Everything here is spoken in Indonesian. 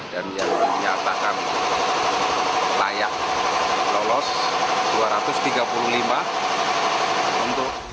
dan yang dinyatakan layak lolos dua ratus tiga puluh lima